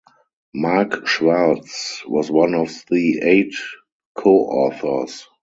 Mark Schwartz was one of the eight coauthors.